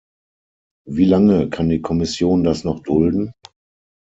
Wie lange kann die Kommission das noch dulden?